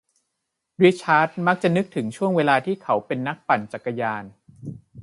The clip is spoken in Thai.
ริชาร์ดมักจะนึกถึงช่วงเวลาที่เขาเป็นนักปั่นจักรยาน